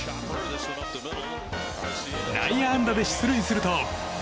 内野安打で出塁すると。